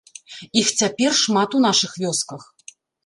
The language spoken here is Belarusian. Іх цяпер шмат у нашых вёсках.